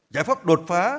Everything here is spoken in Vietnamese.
giải pháp đột phá